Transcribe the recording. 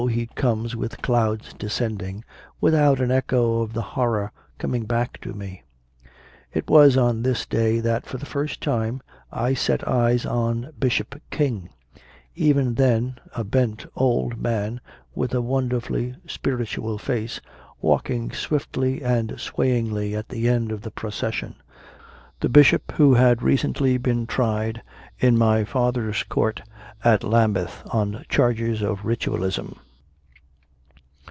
He comes with clouds descending," without an echo of the horror coming back to me. It was on this day that for the first time I set eyes on Bishop King even then a bent old man with a wonderfully spiritual face, walking swiftly and swayingly at the end of the procession the Bishop who had recently been tried in my father s Court at Lambeth on charges of Ritualism.